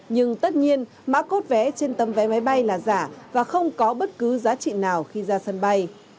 nhưng tất nhiên mã cốt vé trên tấm vé máy bay là giả và không có bất cứ giá trị nào khi ra sân bay